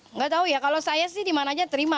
nggak tahu ya kalau saya sih dimana aja terima